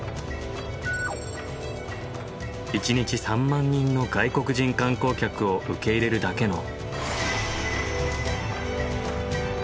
１日３万人の外国人観光客を受け入れるだけの。